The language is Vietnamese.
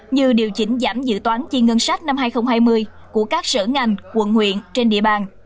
như điều chỉnh giảm dự toán chiên ngân sách năm hai nghìn hai mươi của các sở ngành quận huyện trên địa bàn